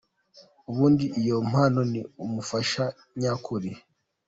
Ubundi iyo mpano ni umufasha nyakuri.